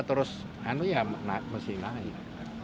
terus ya masih naik